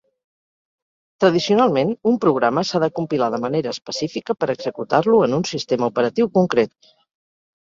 Tradicionalment, un programa s'ha de compilar de manera específica per executar-lo en un sistema operatiu concret.